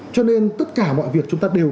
cho nên tất cả mọi việc chúng ta đều